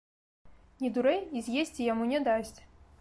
Не дурэй, і з'есці яму не дасць!